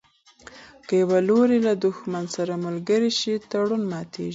که یو لوری له دښمن سره ملګری شي تړون ماتیږي.